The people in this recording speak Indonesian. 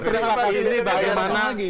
kenapa ini bagaimana